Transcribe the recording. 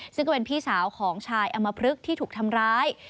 ซึ่งก็เป็นพี่สาวของชายอมพลึกที่ถูกทำร้าย